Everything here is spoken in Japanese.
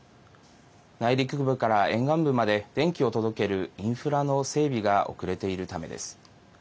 内陸部から沿岸部まで電気を届けるインフラの整備が遅れているためです。